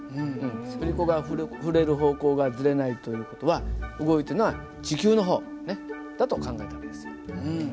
振り子が振れる方向がずれないという事は動いてるのは地球の方だと考えた訳ですよ。